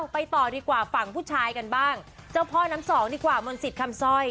ไปต่อดีกว่าฝั่งผู้ชายกันบ้างเจ้าพ่อน้ำสองดีกว่ามนศิษย์คำสร้อย